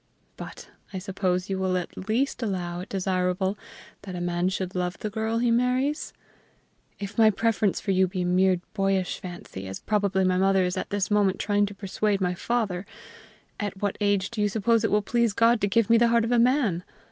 But I suppose you will at least allow it desirable that a man should love the girl he marries? If my preference for you be a mere boyish fancy, as probably my mother is at this moment trying to persuade my father, at what age do you suppose it will please God to give me the heart of a man?